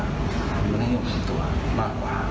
ภูมิขึ้นให้หิวเป็นตัวมากกว่า